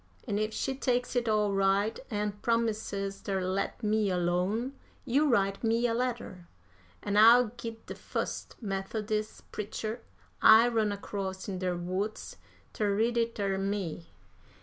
An' if she takes it all right, an' promises ter let me alone, you write me a letter, an' I'll git de fust Methodis' preacher I run across in der woods ter read it ter me.